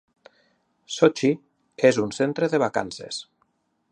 Sotxi és un centre de vacances.